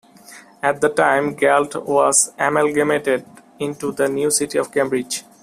At that time, Galt was amalgamated into the new city of Cambridge.